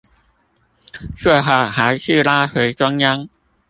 最好還是拉回中央